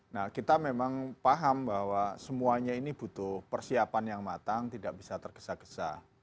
nah kita memang paham bahwa semuanya ini butuh persiapan yang matang tidak bisa tergesa gesa